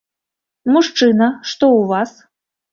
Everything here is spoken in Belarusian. Мужчына, што ў вас?